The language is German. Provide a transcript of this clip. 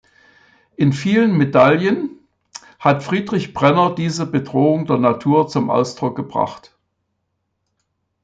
In vielen Medaillen hat Friedrich Brenner diese Bedrohung der Natur zum Ausdruck gebracht.